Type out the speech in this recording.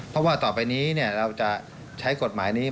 เพราะว่าต่อไปนี้เราจะใช้กฎหมายนี้